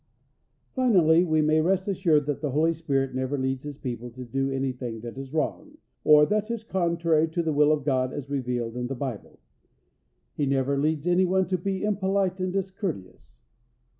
Finally, we may rest assured that the Holy Spirit never leads His people to do anything that is wrong, or that is contrary to the will of God as revealed in the Bible. He never leads anyone to be impolite and discourteous.